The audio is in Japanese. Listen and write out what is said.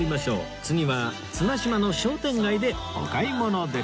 次は綱島の商店街でお買い物です